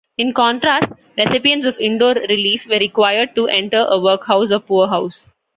In contrast, recipients of indoor relief were required to enter a workhouse or poorhouse.